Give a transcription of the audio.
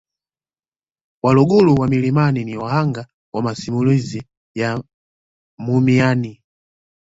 Waluguru wa milimani ni wahanga wa masimulizi ya mumiani